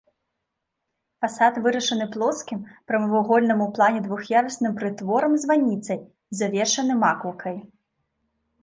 Фасад вырашаны плоскім прамавугольным у плане двух'ярусным прытворам-званіцай, завершаным макаўкай.